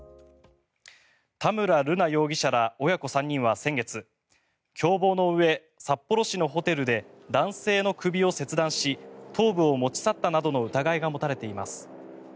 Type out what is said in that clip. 田村瑠奈容疑者ら親子３人は先月共謀のうえ、札幌市のホテルで男性の首を切断し頭部を持ち去ったなどの疑いが持たれています。